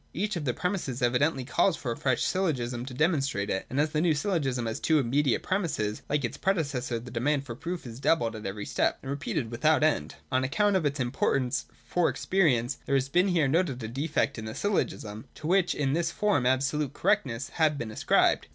Each of the premisses evidently calls for a fresh syllogism to demonstrate it : and as the new syllogism has two immediate premisses, like its predecessor, the demand for proof is doubled at every step, and repeated without end. 186.] On account of its importance for experience, there has been here noted a defect in the syllogism, to which in this form absolute correctness had been ascribed.